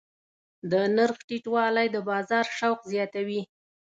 د نرخ ټیټوالی د بازار شوق زیاتوي.